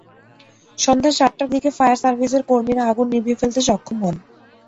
সন্ধ্যা সাতটার দিকে ফায়ার সার্ভিসের কর্মীরা আগুন নিভিয়ে ফেলতে সক্ষম হন।